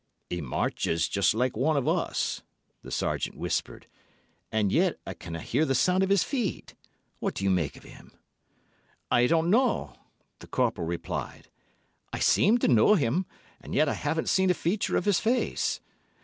"He marches just like one of us," the Sergeant whispered, "and yet I kenna hear the sound of his feet. What do you make of him?" "I don't know," the Corporal replied. "I seem to know him, and yet I haven't seen a feature of his face.